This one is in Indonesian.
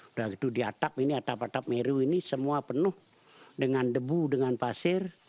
udah gitu di atap ini atap atap meru ini semua penuh dengan debu dengan pasir